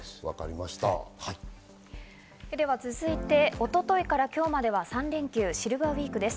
続いて一昨日から今日までは３連休、シルバーウイークです。